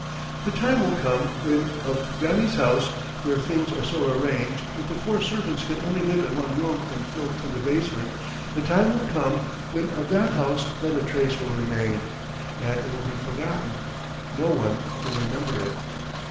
The time will come when of Granny's house, where things are so arranged that the four servants can only live in one room in filth in the basement the time will come when of that house not a trace will remain, and it will be forgotten, no one will remember it.